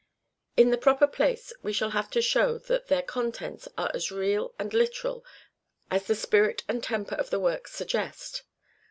In the proper place we shall have to show that their contents are as real and literal as the spirit and temper of the works suggest.